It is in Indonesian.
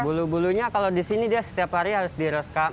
bulu bulunya kalau di sini dia setiap hari harus diroskap